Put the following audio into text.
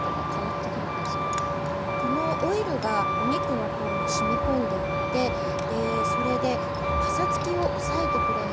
このオイルがお肉の方に染み込んでいってそれでパサつきを抑えてくれます。